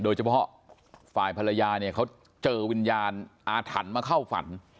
โดยเฉพาะฝ่ายภรรยาเนี่ยเขาเจอวิญญาณอาถรรพ์มาเข้าฝัน